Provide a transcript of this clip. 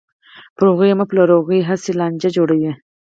پر هغوی یې مه پلوره، هغوی هسې لانجې جوړوي.